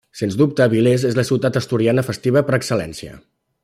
Sens dubte Avilés és la ciutat asturiana festiva per excel·lència.